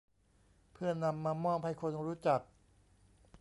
เพื่อนำมามอบให้คนรู้จัก